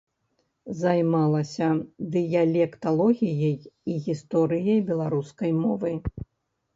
Займалася дыялекталогіяй і гісторыяй беларускай мовы.